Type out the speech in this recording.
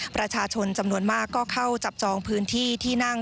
ประชาชนจำนวนมากก็เข้าจับจองพื้นที่ที่นั่ง